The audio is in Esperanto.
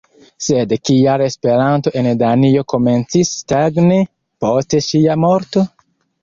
Sed kial Esperanto en Danio komencis stagni post ŝia morto?